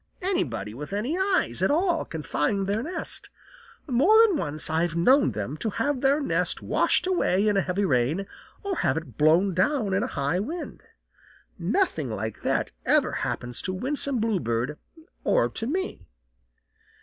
Anybody with any eyes at all can find their nest. More than once I've known them to have their nest washed away in a heavy rain, or have it blown down in a high wind. Nothing like that ever happens to Winsome Bluebird or to me."